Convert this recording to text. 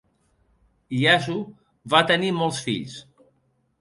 Iaso va tenir molts fills.